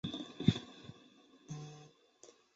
麦特与史提夫皆感应到了安德鲁的情绪爆发。